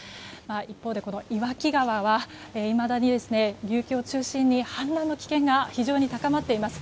一方で、岩木川はいまだに流域を中心に氾濫の危険が非常に高まっています。